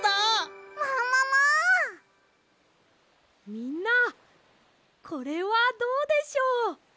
みんなこれはどうでしょう？